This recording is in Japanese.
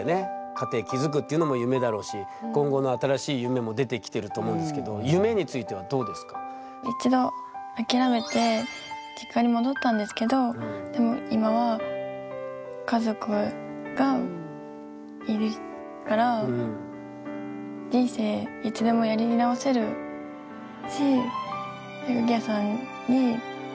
家庭築くっていうのも夢だろうし今後の新しい夢も出てきてると思うんですけど１度あきらめて実家に戻ったんですけどでも今は家族がいるから人生いつでもやり直せるしウギアさんにもお父さんにも感謝しかないですね。